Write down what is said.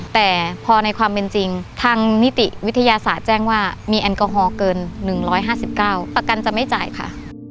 แต่พอในความเป็นจริงทางนิติวิทยาศาสตร์แจ้งว่ามีแอลกอฮอล์เกิน๑๕๙ประกันจะไม่จ่ายค่ะ